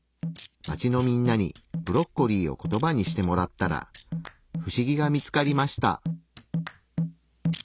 街のみんなにブロッコリーをコトバにしてもらったら不思議が見つかりました。